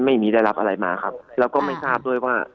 ไม่มีได้รับอะไรมาครับแล้วก็ไม่ทราบด้วยว่า